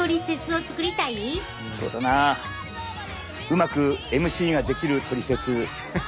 うまくＭＣができるトリセツ。